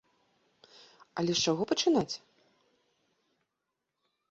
Але з чаго пачынаць?